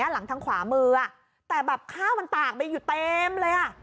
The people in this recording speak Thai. หลังทางขวามือแต่แบบข้าวมันตากไปอยู่เต็มเลยอ่ะ